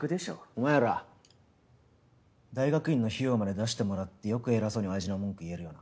お前ら大学院の費用まで出してもらってよく偉そうに親父の文句言えるよな。